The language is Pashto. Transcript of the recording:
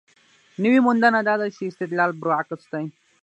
نوې موندنه دا ده چې استدلال برعکس دی.